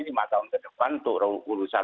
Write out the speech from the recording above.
lima tahun ke depan untuk urusan